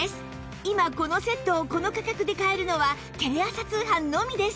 今このセットをこの価格で買えるのはテレ朝通販のみです